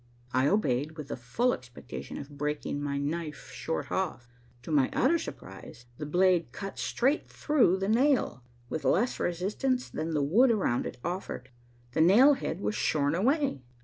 I obeyed, with the full expectation of breaking my knife short off. To my utter surprise, the blade cut straight through the nail, with less resistance than the wood around it offered. The nail head was shorn away.